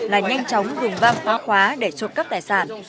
là nhanh chóng dùng vang khóa khóa để trộm cắp tài sản